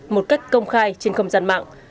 một cách công khai trên không gian mạng